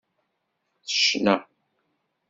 Tecna.